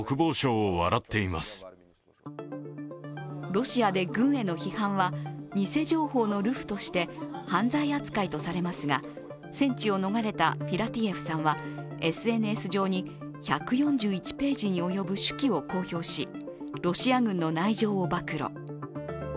ロシアで軍への批判は偽情報の流布として犯罪扱いされますが、戦地を逃れたフィラティエフさんはＳＮＳ上に１４１ページに及ぶ手記を公表し、ロシア軍の内情を暴露。